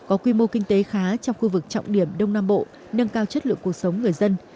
có quy mô kinh tế khá trong khu vực trọng điểm đông nam bộ nâng cao chất lượng cuộc sống người dân